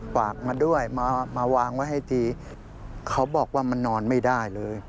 ฝากมาด้วยมาวางไว้ให้ทีเขาบอกว่ามันนอนไม่ได้เลย